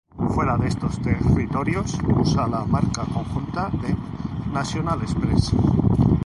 Fuera de estos territorios usa la marca conjunta de National Express.